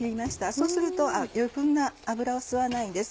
そうすると余分な油を吸わないんです。